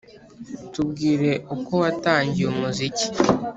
Tubwire uko watangiye umuziki.